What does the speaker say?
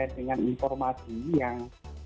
dengan informasi yang